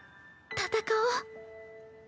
戦おう。